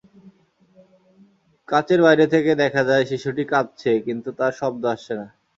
কাচের বাইরে থেকে দেখা যায়, শিশুটি কাঁদছে কিন্তু তার শব্দ আসছে না।